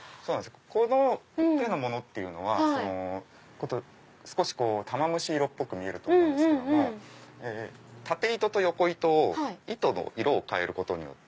この手のものっていうのは少し玉虫色っぽく見えると思うんですけども縦糸と横糸を糸の色を変えることによって。